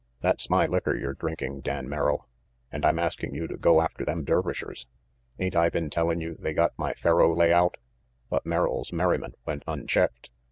"That's my licker you're drinking, Dan Merrill, and I'm asking you to go after them Dervishers. Ain't I been telling you they got my faro layout?" But Merrill's merriment went unchecked.